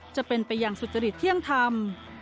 จะเป็นไปอย่างสุจริตเที่ยงธรรม